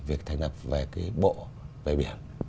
việc thành lập về cái bộ bởi biển